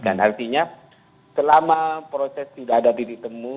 dan artinya selama proses tidak ada titik temu